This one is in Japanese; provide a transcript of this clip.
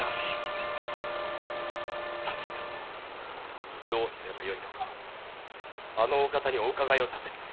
三州屋どうすればよいのかあの方にお伺いを立ててくれ。